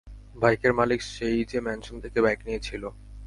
বাইকের মালিক সেই যে ম্যানশন থেকে বাইক নিয়েছিল।